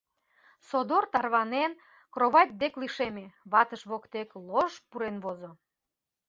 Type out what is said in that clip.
Содор тарванен, кровать дек лишеме, ватыж воктек лож пурен возо.